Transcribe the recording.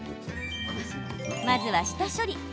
まずは下処理。